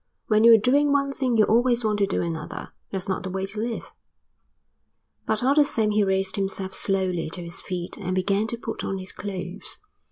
When you're doing one thing you always want to do another. That's not the way to live." But all the same he raised himself slowly to his feet and began to put on his clothes.